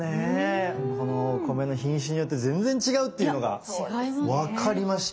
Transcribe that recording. このお米の品種によって全然違うっていうのがわかりました。